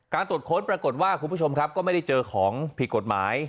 ตรวจค้นปรากฏว่าคุณผู้ชมครับก็ไม่ได้เจอของผิดกฎหมาย